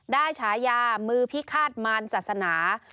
ได้ฉายามือพิคาตมันศาสนา